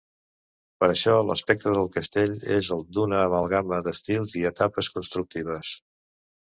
Per això l'aspecte del castell és el d'una amalgama d'estils i etapes constructives.